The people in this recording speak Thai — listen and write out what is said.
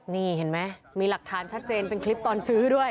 นี่เห็นไหมมีหลักฐานชัดเจนเป็นคลิปตอนซื้อด้วย